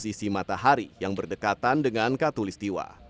di posisi matahari yang berdekatan dengan katulistiwa